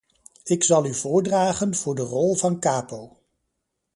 Ik zal u voordragen voor de rol van kapo.